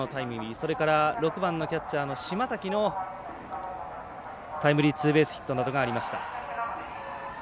それから、６番のキャッチャー島瀧のタイムリーツーベースヒットなどありました。